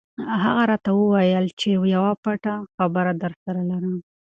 هغه راته وویل چې یوه پټه خبره درسره لرم.